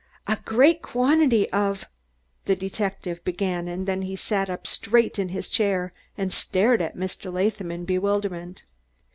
"A great quantity of ," the detective began; and then he sat up straight in his chair and stared at Mr. Latham in bewilderment.